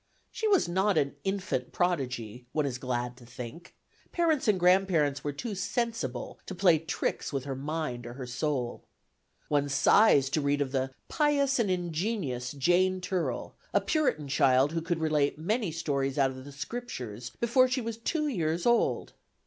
She was not an infant prodigy, one is glad to think; parents and grandparents were too sensible to play tricks with her mind or her soul. One sighs to read of the "pious and ingenious Jane Turell," a Puritan child who could relate many stories out of the Scriptures before she was two years old.